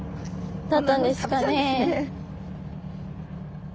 だったんですかね？